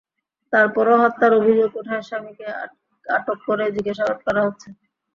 তার পরও হত্যার অভিযোগ ওঠায় স্বামীকে আটক করে জিজ্ঞাসাবাদ করা হচ্ছে।